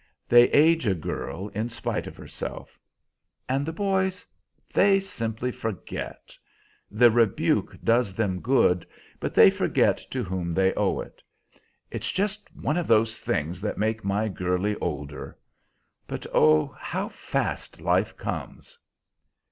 They age a girl in spite of herself. And the boys they simply forget. The rebuke does them good, but they forget to whom they owe it. It's just one of those things that make my girlie older. But oh, how fast life comes!"